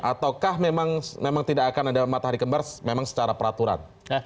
atau memang tidak akan ada matahari kembar secara peraturan